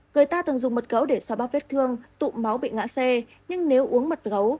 người ta từng dùng mật gấu để xoa bắp vết thương tụ máu bị ngã xe nhưng nếu uống mật gấu